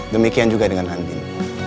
demikian juga dengan andin